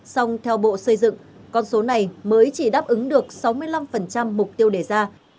song theo bộ xây dựng con số này mới chỉ đáp ứng được sáu mươi năm phần trăm mục tiêu đề ra